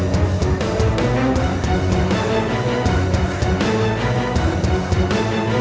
demikianlah pemasaran yang telah digunakan untuk mem lifisial bahkan untuk menganjur